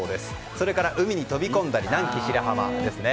それから海に飛び込んだのが南紀白浜ですね。